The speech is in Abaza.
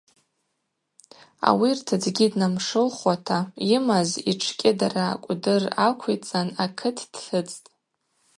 Ауи ртыдзгьи днамшылхуата, йымаз йтш кӏьыдара кӏвдыр аквицӏан акыт дтыцӏтӏ.